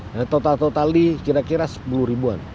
nah total totali kira kira sepuluh ribuan